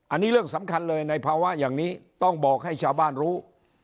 อันนี้เรื่องสำคัญเลยในภาวะอย่างนี้ต้องบอกให้ชาวบ้านรู้